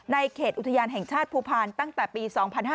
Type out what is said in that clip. เขตอุทยานแห่งชาติภูพาลตั้งแต่ปี๒๕๕๙